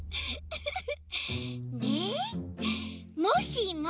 フフフ！